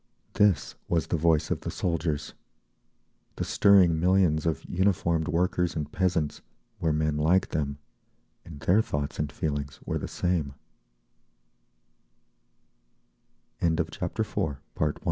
This was the voice of the soldiers—the stirring millions of uniformed workers and peasants were men like them, and their thoughts and feelings were the same… More so